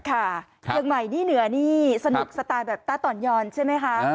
เชียงใหม่นี่เหนือนี่สนุกสไตล์แบบต้าต่อนยอนใช่ไหมคะ